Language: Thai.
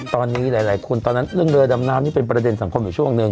ตอนนี้หลายคนตอนนั้นเรื่องเรือดำน้ำนี่เป็นประเด็นสังคมอยู่ช่วงหนึ่ง